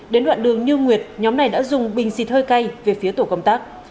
đến đoạn đường như nguyệt nhóm này đã dùng bình xịt hơi cay về phía tổ công tác